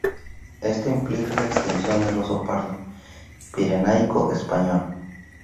Esto implica la extinción del oso pardo pirenaico español.